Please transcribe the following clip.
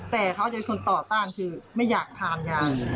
แต่เขาจะในต่อตั้งคือไม่อยากทานิยา